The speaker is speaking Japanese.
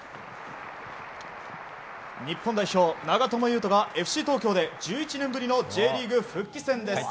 日本代表長友佑都がＦＣ東京で１１年ぶりのＪリーグ復帰戦です。